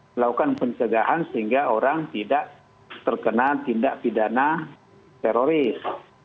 melakukan pencegahan sehingga orang tidak terkena tindak pidana teroris